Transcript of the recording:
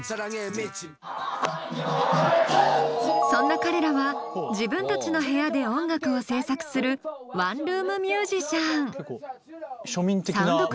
そんな彼らは自分たちの部屋で音楽を制作するワンルーム☆ミュージシャン。